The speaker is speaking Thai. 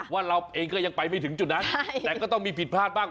ว่าเราเองก็ยังไปไม่ถึงจุดนั้นแต่ก็ต้องมีผิดพลาดบ้าง